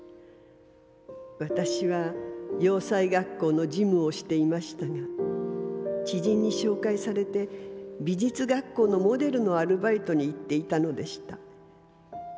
私は洋裁学校の事務をしていましたが知人に紹介されて美術学校のモデルのアルバイトに行っていたのでした。